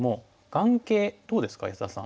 眼形どうですか安田さん。